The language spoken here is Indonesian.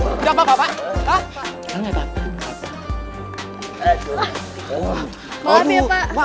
udah apa apa pak